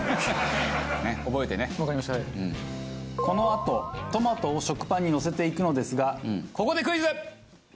このあとトマトを食パンにのせていくのですがここでクイズ！